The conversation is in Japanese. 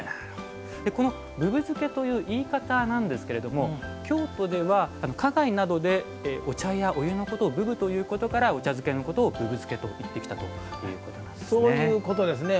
ぶぶ漬けという言い方なんですけれども京都では、花街などでお茶やお湯のことを「ぶぶ」ということからお茶漬けのことをぶぶ漬けといってきたということなんですね。